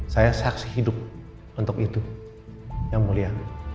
saya saksi hidup untuk itu yang mulia